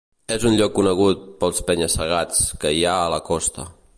És un lloc conegut pels penya-segats que hi ha a la costa.